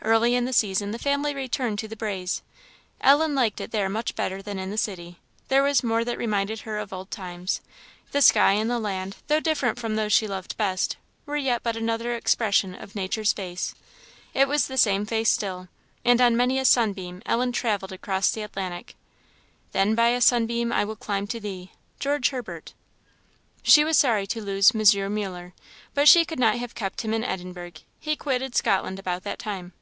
Early in the season the family returned to "the Braes." Ellen liked it there much better than in the city; there was more that reminded her of old times. The sky and the land, though different from those she best loved, were yet but another expression of nature's face; it was the same face still; and on many a sunbeam Ellen travelled across the Atlantic.* [* "Then by a sunbeam I will climb to thee." GEORGE HERBERT.] She was sorry to lose M. Muller, but she could not have kept him in Edinburgh; he quitted Scotland about that time.